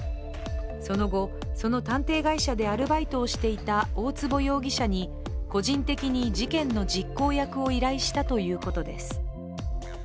その後、その探偵会社でアルバイトをしていた大坪容疑者に個人的に事件の実行役を依頼したということです。